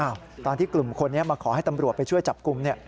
ตอนที่กลุ่มคนนี้มาขอให้ตำรวจไปช่วยจับกลุ่มเนี่ย